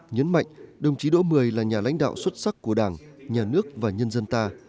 nhấn mạnh đồng chí độ một mươi là nhà lãnh đạo xuất sắc của đảng nhà nước và nhân dân ta